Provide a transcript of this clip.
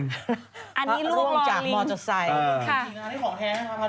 พระร่วงจากมอเตอร์ไซค์